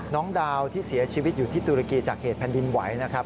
น้องดาวที่เสียชีวิตอยู่ที่ตุรกีจากเหตุแผ่นดินไหวนะครับ